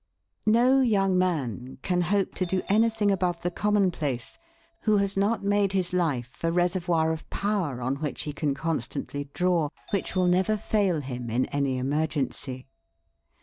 No young man can hope to do anything above the commonplace who has not made his life a reservoir of power on which he can constantly draw, which will never fail him in any emergency.